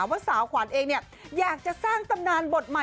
ว่าสาวขวัญเองเนี่ยอยากจะสร้างตำนานบทใหม่